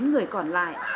chín người còn lại